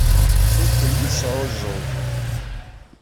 Ur telli tesɛuẓẓug.